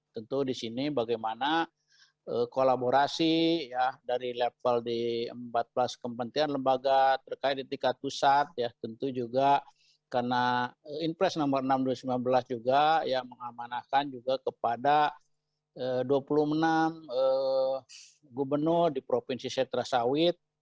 tentu di sini bagaimana kolaborasi dari level di empat belas kepentingan lembaga terkait di tiga pusat tentu juga karena intresi nomor enam tahun dua ribu sembilan belas juga mengamanakan kepada dua puluh enam gubernur di provinsi setra sawit